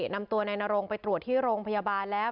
นำตัวนายนรงไปตรวจที่โรงพยาบาลแล้ว